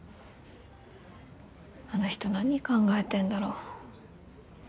あの人何考えてんだろ。